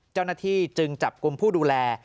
เจ้าหน้าที่จึงจับกลุ่มผู้ดูแล